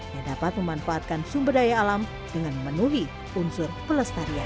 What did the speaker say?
yang dapat memanfaatkan sumber daya alam dengan memenuhi unsur pelestarian